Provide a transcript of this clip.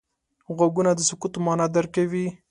غوږونه د سکوت معنا درک کوي